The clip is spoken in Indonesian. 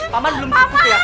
pak man belum cukup ya